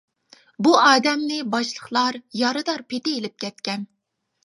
بۇ ئادەمنى باشلىقلار يارىدار پېتى ئېلىپ كەتكەن.